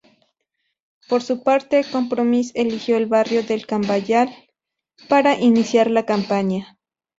Por su parte, Compromís eligió el Barrio del Cabanyal para iniciar la campaña.